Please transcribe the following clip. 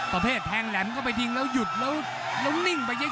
ประเภทแทงแหลมเข้าไปทิ้งแล้วหยุดแล้วนิ่งไปเยอะ